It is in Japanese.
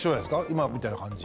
今みたいな感じ。